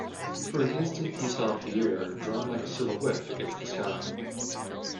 For an instant he saw Pierre drawn like a silhouette against the sky.